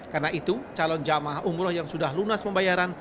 karena itu calon jamaah umroh yang sudah lunas pembayaran